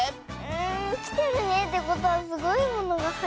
ん「きてるね」ってことはすごいものがはいってる。